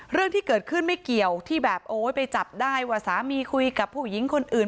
เรื่องที่เกิดขึ้นไม่เกี่ยวที่แบบโอ้ยไปจับได้ว่าสามีคุยกับผู้หญิงคนอื่น